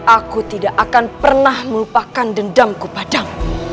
aku tidak akan pernah melupakan dendamku padam